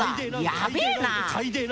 やべえな！